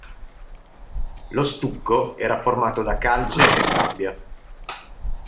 Lo stucco era formato da calce e sabbia.